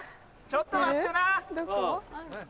ちょっと待ってな！